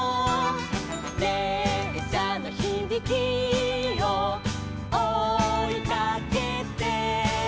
「れっしゃのひびきをおいかけて」